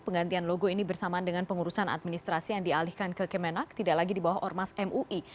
penggantian logo ini bersamaan dengan pengurusan administrasi yang dialihkan ke kemenak tidak lagi di bawah ormas mui